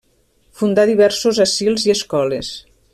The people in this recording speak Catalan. Fundà diversos asils i escoles.